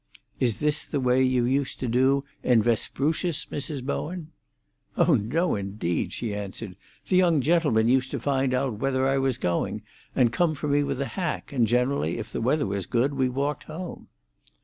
"Is this the way you used to do in Vesprucius, Mrs. Bowen?" "Oh no, indeed!" she answered. "The young gentlemen used to find out whether I was going, and came for me with a hack, and generally, if the weather was good, we walked home."